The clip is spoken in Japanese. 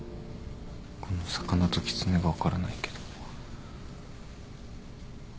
この魚とキツネが分からないけど。